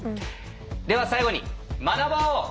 では最後に学ぼう！